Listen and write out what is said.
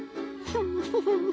フフフフ。